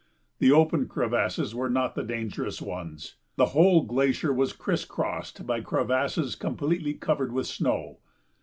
The open crevasses were not the dangerous ones; the whole glacier was crisscrossed by crevasses completely covered with snow.